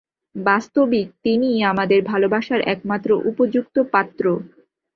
বাস্তবিক তিনিই আমাদের ভালবাসার একমাত্র উপযুক্ত পাত্র।